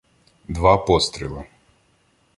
Два постріли.